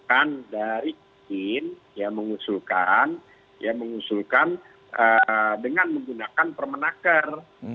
kan dari kin yang mengusulkan dengan menggunakan permenaker